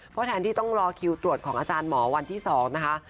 เพราะแทนที่ต้องรอคิวตรวจของอาจารย์หมอวันที่๒นะคะ